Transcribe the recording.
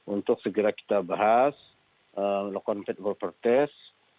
untuk segera kita bahas melakukan fed pemprovvertes